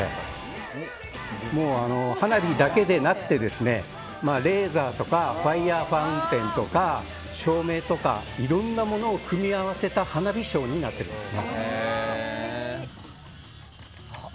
花火だけでなくてレーザーとかファイアーファウンテンとか照明とかいろいろなものを組み合わせた花火ショーになっています。